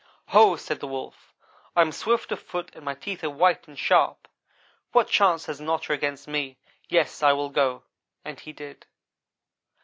"'Ho!' said the Wolf, 'I am swift of foot and my teeth are white and sharp. What chance has an Otter against me? Yes, I will go,' and he did.